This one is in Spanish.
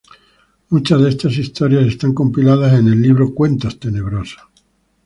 Muchas de estas historias están compiladas en el libro Cuentos Tenebrosos.